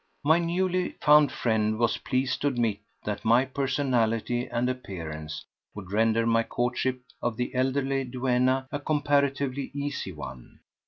My newly found friend was pleased to admit that my personality and appearance would render my courtship of the elderly duenna a comparatively easy one.